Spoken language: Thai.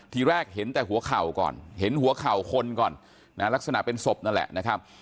ทีแรกเห็นแต่หัวเข่าก่อนเห็นหัวเข่าคนก่อนนะลักษณะเป็นศพนั่นแหละนะครับ